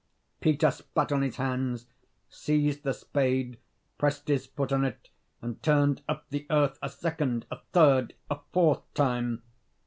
Peter spat on his hands, seized the spade, pressed his foot on it, and turned up the earth, a second, a third, a fourth time.